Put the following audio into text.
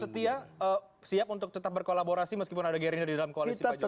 berarti ya siap untuk tetap berkolaborasi meskipun ada gerinda di dalam koalisi pak jokowi